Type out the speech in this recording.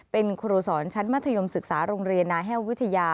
เป็นครูสอนชั้นมัธยมศึกษาโรงเรียนนาแห้ววิทยา